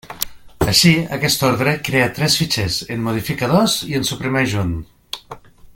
Així, aquesta Ordre crea tres fitxers, en modifica dos i en suprimeix un.